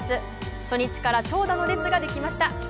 初日から長打の列ができました。